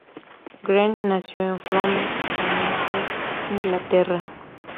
Green nació en Frome, Somerset, Inglaterra.